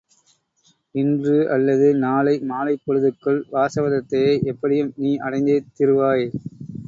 இன்று அல்லது நாளை மாலைப் பொழுதுக்குள், வாசவதத்தையை எப்படியும் நீ அடைந்தே திருவாய்.